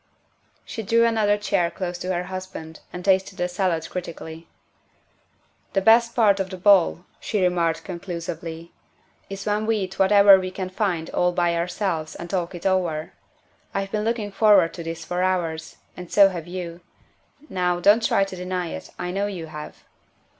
'' She drew another chair close to her husband and tasted the salad critically. " The best part of the ball," she remarked conclu sively, " is when we eat whatever we can find all by ourselves and talk it over. I've been looking forward to this for hours and so have you. Now, don't try to deny it, I know you have."